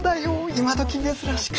今どき珍しく。